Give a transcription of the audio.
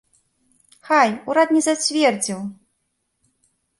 Хай, урад не зацвердзіў!